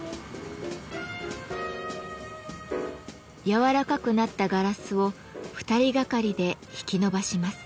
やわらかくなったガラスを２人がかりで引き伸ばします。